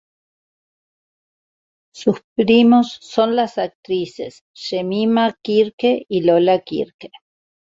Sus primos son las actrices Jemima Kirke y Lola Kirke.